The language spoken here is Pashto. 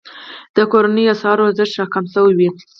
د کورنیو اسعارو ارزښت راکم شوی وي.